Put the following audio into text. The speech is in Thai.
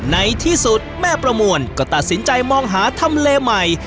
ในที่สุดแม่ประมวลก็ตัดสินใจมองหาทำเลใหม่